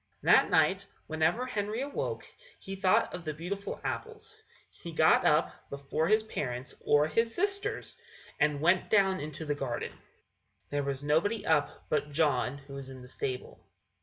That night, whenever Henry awoke, he thought of the beautiful apples. He got up before his parents, or his sisters, and went down into the garden. There was nobody up but John, who was in the stable.